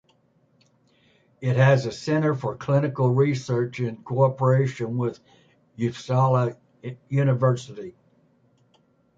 It has a centre for clinical research in cooperation with Uppsala University.